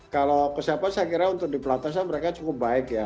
kalau kesiapan saya kira untuk di pelatasan mereka cukup baik ya